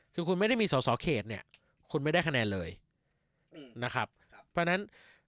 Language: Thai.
คือคุณไม่ได้มีสอสอเขตเนี่ยคุณไม่ได้คะแนนเลยนะครับเพราะฉะนั้น